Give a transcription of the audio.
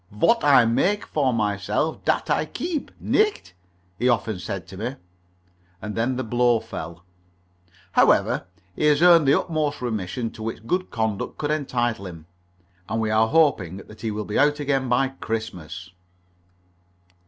"Vot I maig for myself, dat I keeb, nicht?" he often said to me. And then the blow fell. However, he has earned the utmost remission to which good conduct could entitle him, and we are hoping that he will be out again by Christmas.